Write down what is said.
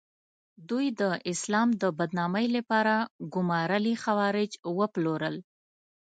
دوی د اسلام د بدنامۍ لپاره ګومارلي خوارج وپلورل.